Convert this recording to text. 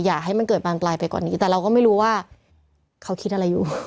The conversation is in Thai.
อย่าให้มันเกิดบานปลายไปกว่านี้แต่เราก็ไม่รู้ว่าเขาคิดอะไรอยู่